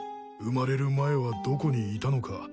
生まれる前はどこにいたのか。